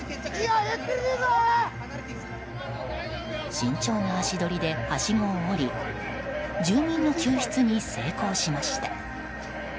慎重な足取りではしごを下り住民の救出に成功しました。